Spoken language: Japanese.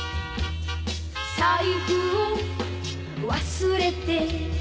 「財布を忘れて」